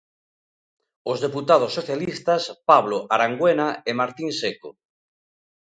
Os deputados socialistas Pablo Arangüena e Martín Seco.